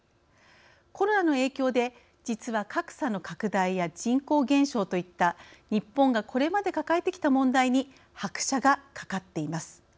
コロナの影響で実は格差の拡大や人口減少といった日本がこれまで抱えてきた問題に拍車がかかっています。